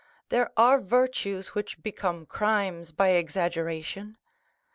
There are virtues which become crimes by exaggeration.